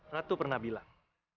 ratu pernah bilang